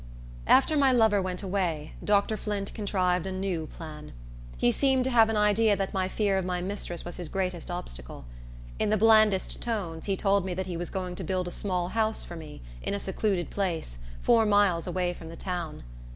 After my lover went away, Dr. Flint contrived a new plan. He seemed to have an idea that my fear of my mistress was his greatest obstacle. In the blandest tones, he told me that he was going to build a small house for me, in a secluded place, four miles away from the town.